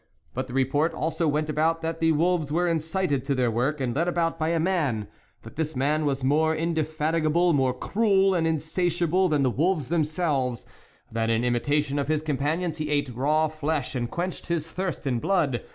But the re port also went about that the wolves were incited to their work, and led about by a man ; that this man was more inde fatigable, more cruel and insatiable than the wolves themselves ; that in imitation of his companions he ate raw flesh and quenched his thirst in blood.